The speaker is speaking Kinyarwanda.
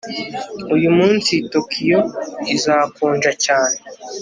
Uyu munsi Tokiyo izakonja cyane